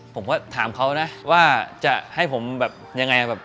ผมก็ถามเขานะว่าจะให้ผมแบบยังไงแบบ